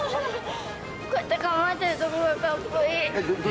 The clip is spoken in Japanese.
こうやって構えてるところがかっこいい。